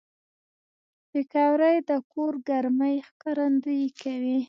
پکورې د کور ګرمۍ ښکارندويي کوي